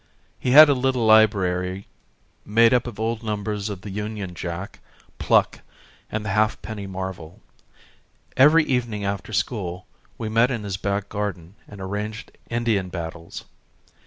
He had a little library made up of old numbers of The Union Jack, Pluck and The Halfpenny Marvel. Every evening after school we met in his back garden and arranged Indian battles.